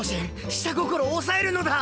下心を抑えるのだ！